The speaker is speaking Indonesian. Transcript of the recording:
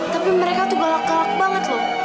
tapi mereka tuh galak galak banget loh